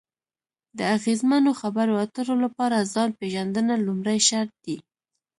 د اغیزمنو خبرو اترو لپاره ځان پېژندنه لومړی شرط دی.